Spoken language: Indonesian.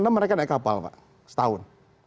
lima enam mereka naik kapal pak setahun